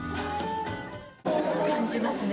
感じますね。